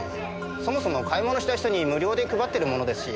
そもそも買い物した人に無料で配ってるものですし。